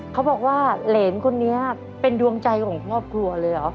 เขาบอกว่าเหรนคนนี้เป็นดวงใจของครอบครัวเลยเหรอ